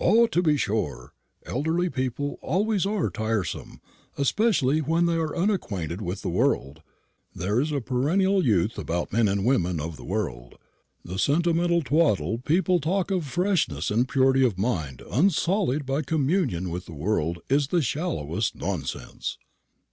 "Ah, to be sure! elderly people always are tiresome, especially when they are unacquainted with the world. There is a perennial youth about men and women of the world. The sentimental twaddle people talk of the freshness and purity of a mind unsullied by communion with the world is the shallowest nonsense.